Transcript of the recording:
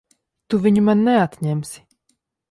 Tu viņu man neatņemsi!